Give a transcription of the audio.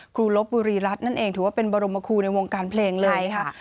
ลบบุรีรัฐนั่นเองถือว่าเป็นบรมครูในวงการเพลงเลยนะคะ